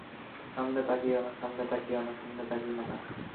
সামনে তাকিওনা, সামনে তাকিওনা, সামনে তাকিওনা।